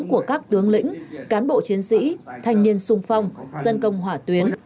của các tướng lĩnh cán bộ chiến sĩ thanh niên sung phong dân công hỏa tuyến